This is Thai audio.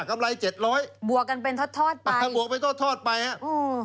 กำไรเจ็ดร้อยบวกกันเป็นทอดทอดไปอ่าบวกไปทอดทอดไปฮะโอ้